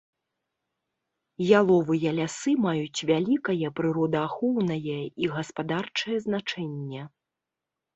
Яловыя лясы маюць вялікае прыродаахоўнае і гаспадарчае значэнне.